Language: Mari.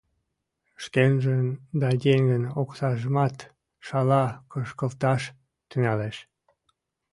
Шкенжын да еҥын оксажымат шала кышкылташ тӱҥалеш.